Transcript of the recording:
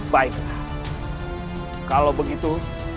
baik kalau begitu